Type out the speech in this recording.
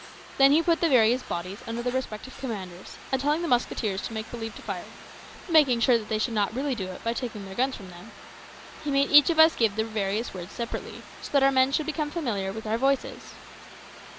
Then he put the various bodies under their respective commanders, and telling the musketeers to make believe to fire (but making sure that they should not really do it, by taking their guns from them), he made each of us give the various words separately, so that our men should become familiar with our voices.